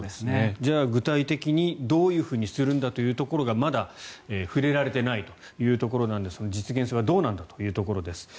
じゃあ、具体的にどうするんだというところがまだ触れられていないというところなんですが実現性はどうなんだというところです。